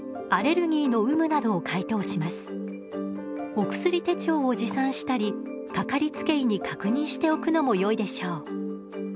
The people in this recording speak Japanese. お薬手帳を持参したり掛かりつけ医に確認しておくのもよいでしょう。